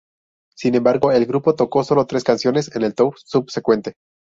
Sin embargo, el grupo tocó sólo tres canciones en el tour subsecuente.